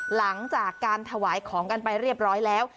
หลังจากการถวายของกันไปเรียบร้อยแล้ว